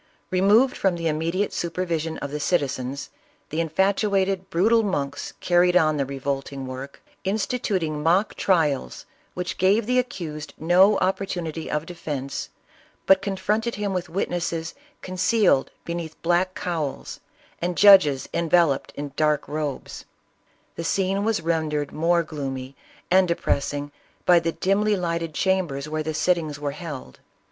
Removed from the immediate supervision of the citizens, the in fatuated, brutal monks carried on the revolting work, instituting mock trials which gave the accused no op portunity of defence, but confronted him with witness es concealed beneath black cowls and judges enveloped in dark robes ; the scene was rendered more gloomy and depressing by the dimly lighted chambers where the sittings were held.